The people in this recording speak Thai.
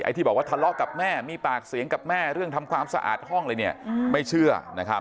ที่บอกว่าทะเลาะกับแม่มีปากเสียงกับแม่เรื่องทำความสะอาดห้องอะไรเนี่ยไม่เชื่อ